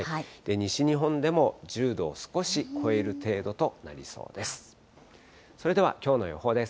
西日本でも１０度を少し超える程度となりそうです。